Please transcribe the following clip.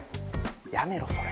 やめろそれ。